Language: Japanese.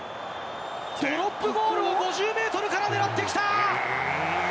ドロップゴールを５０メートルから狙ってきた！